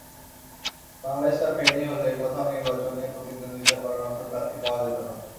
বাংলাদেশটা ফেনী হলে কোথাও নির্বাচনে প্রতিদ্বন্দ্বিতা করার মতো প্রার্থী পাওয়া যেত না।